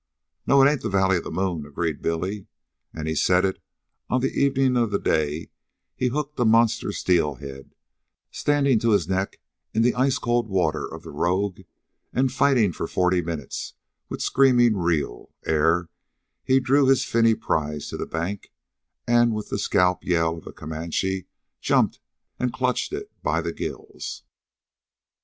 "Nope, it ain't the valley of the moon," agreed Billy, and he said it on the evening of the day he hooked a monster steelhead, standing to his neck in the ice cold water of the Rogue and fighting for forty minutes, with screaming reel, ere he drew his finny prize to the bank and with the scalp yell of a Comanche jumped and clutched it by the gills.